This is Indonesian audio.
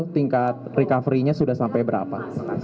tingkat recoverynya sudah sampai berapa